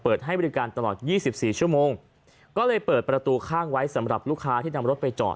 ให้บริการตลอด๒๔ชั่วโมงก็เลยเปิดประตูข้างไว้สำหรับลูกค้าที่นำรถไปจอด